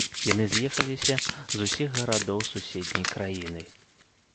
Яны з'ехаліся з усіх гарадоў суседняй краіны!